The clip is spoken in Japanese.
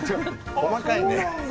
細かいね。